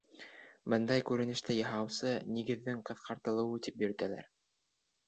Бындай күренеште яһаусы нигеҙҙең ҡыҫҡартылыуы тип йөрөтәләр.